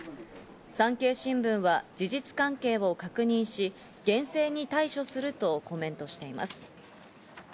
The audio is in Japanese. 産経新聞は事実関係を確認し、厳正に対処するとコメントしています。